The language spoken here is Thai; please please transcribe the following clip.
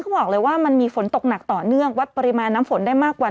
เขาบอกเลยว่ามันมีฝนตกหนักต่อเนื่องวัดปริมาณน้ำฝนได้มากกว่า